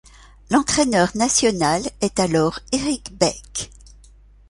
L'entraîneur national est alors Eric Beck.